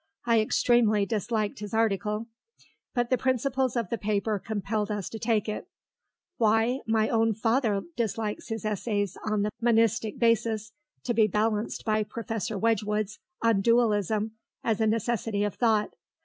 I extremely disliked his article; but the principles of the paper compelled us to take it. Why, my own father dislikes his essays on the Monistic Basis to be balanced by Professor Wedgewood's on Dualism as a Necessity of Thought.